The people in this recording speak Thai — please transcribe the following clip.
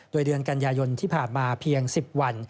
โดยเดือนกันยายนที่ผ่านมาเพียง๑๐วัน